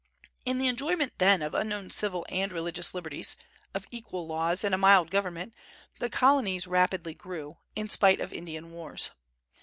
In the enjoyment, then, of unknown civil and religious liberties, of equal laws, and a mild government, the Colonies rapidly grew, in spite of Indian wars.